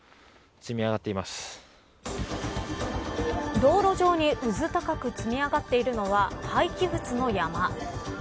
道路上にうず高く積み上がっているのは廃棄物の山。